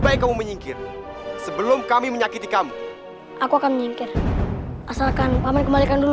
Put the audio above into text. baik kamu menyingkir sebelum kami menyakiti kamu aku akan menyingkir asalkan paman kembalikan dulu